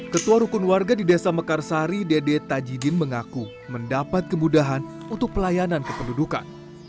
ketua rukun warga di desa mekarsari dede tajidin mengaku mendapat kemudahan untuk pelayanan kependudukan